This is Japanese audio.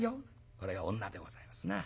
これが女でございますな。